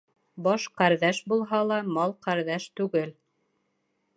Баш ҡәрҙәш булһа ла, мал ҡәрҙәш түгел.